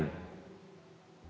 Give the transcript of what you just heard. para di bawahnya